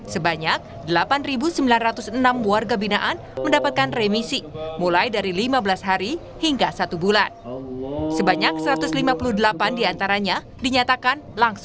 sebanyak delapan sembilan ratus enam warga binaan